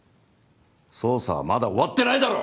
捜査はまだ終わってないだろ！